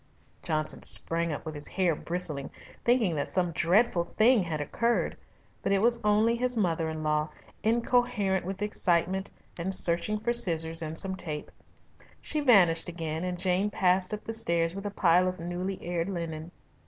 Johnson sprang up with his hair bristling, thinking that some dreadful thing had occurred, but it was only his mother in law, incoherent with excitement and searching for scissors and some tape. She vanished again and Jane passed up the stairs with a pile of newly aired linen.